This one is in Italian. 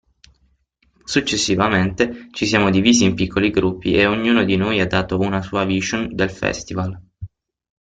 Successivamente, ci siamo divisi in piccoli gruppi e ognuno di noi ha dato una sua vision del festival.